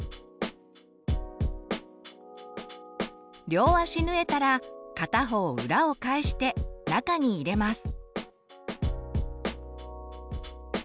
両足縫えたら片方裏を返して中に入れます。